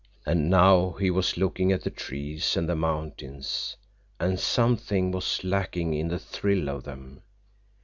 And now he was looking at the trees and the mountains, and something was lacking in the thrill of them.